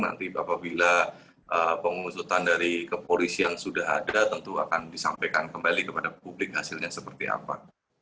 nanti apabila pengusutan dari kepolisian sudah ada tentu akan disampaikan kembali kepada publik hasilnya seperti apa